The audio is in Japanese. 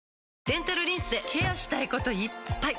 デンタルリンスでケアしたいこといっぱい！